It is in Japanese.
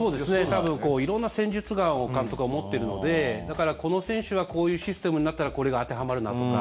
多分、色んな戦術眼を監督は持っているのでだから、この選手はこういうシステムになったらこれが当てはまるなとか。